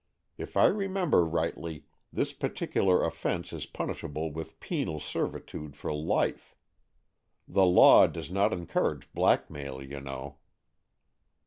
If I remember rightly, this particular offence is punishable with penal servitude for life. The law does not encourage blackmail, you know.